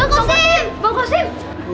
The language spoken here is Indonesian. eh bang kosim